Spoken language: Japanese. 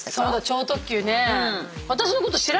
超特急ね。